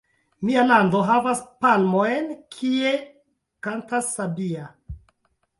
Mia lando havas palmojn, Kie kantas sabia!